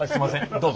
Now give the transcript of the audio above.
どうぞ。